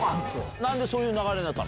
なんでそういう流れになったの？